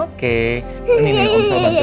oke ini nih om sal bantuin ya om sal bantuin